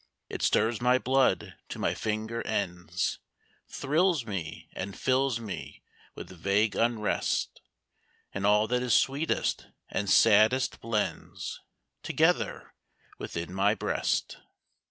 It stirs my blood to my finger ends, Thrills me and fills me with vague unrest, And all that is sweetest and saddest blends Together within my breast.